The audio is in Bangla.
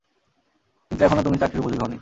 কিন্তু এখনও তুমি চাকরির উপযোগী হওনি।